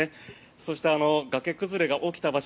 そして、崖崩れが起きた場所